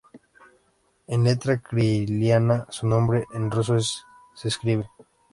En letra cirílica, su nombre en ruso se escribe Гео́ргий Васи́льевич Свири́дов.